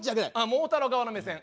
桃太郎側の目線。